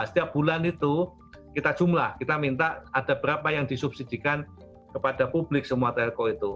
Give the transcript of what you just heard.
setiap bulan itu kita jumlah kita minta ada berapa yang disubsidikan kepada publik semua telko itu